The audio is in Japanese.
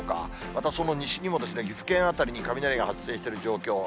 またその西にも、岐阜県辺りに雷が発生している状況。